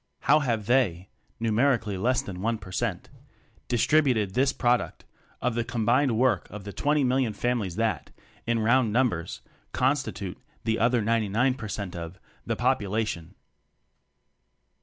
How have they (numerically less than one per cent) distributed this product of the combined work of the twenty million families that, in round numbers, constitute (the other ninety nine per cent of )the population?